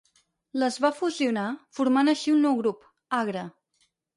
Les va fusionar, formant així un nou grup, Agre.